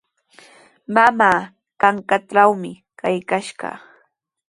Mamaa kanqantrawmi kaykaashaq.